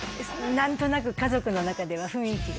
なんとなく家族の中では雰囲気が。